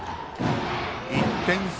１点差。